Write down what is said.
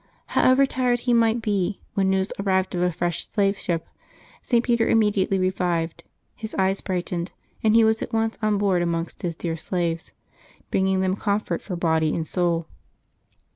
However tired he might be, when news arrived of a fresh slave ship, Blessed Peter immedi ately revived, his eyes brightened, and he was at once on board amongst his dear slaves, bringing them comfort for body and soul.